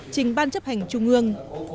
trình ban chấp hành trung ương